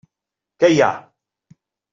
Què hi ha?